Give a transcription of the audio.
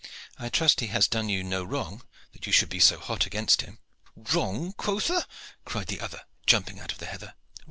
"I trust he has done you no wrong, that you should be so hot against him." "Wrong, quotha?" cried the other, jumping out of the heather.